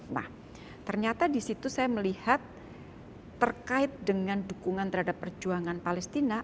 nah ternyata disitu saya melihat terkait dengan dukungan terhadap perjuangan palestina